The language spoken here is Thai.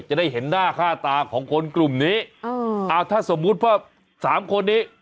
จะได้เห็นหน้าค่าตาของคนกลุ่มนี้ถ้าสมมุติว่าสามคนนี้